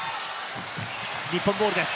日本ボールです。